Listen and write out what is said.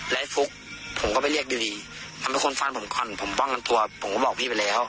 แล้วไอ้ฟุ๊กผมก็ไปเรียกดูดีทำให้คนฟันผมก่อนผมป้องกันตัวผมก็บอกพี่ไปแล้ว